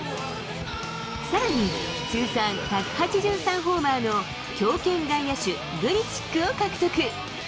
さらに通算１８３ホーマーの強肩外野手、グリチックを獲得。